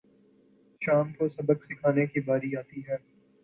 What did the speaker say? شام کو سبق سکھانے کی باری آتی ہے